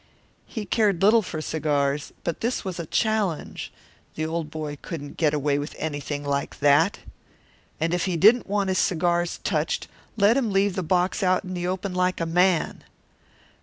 He cared little for cigars, but this was a challenge; the old boy couldn't get away with anything like that. If he didn't want his cigars touched let him leave the box out in the open like a man.